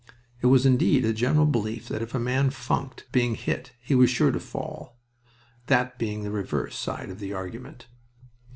It was indeed a general belief that if a man funked being hit he was sure to fall, that being the reverse side of the argument.